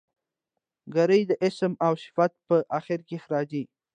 ګری د اسم او صفت په آخر کښي راځي.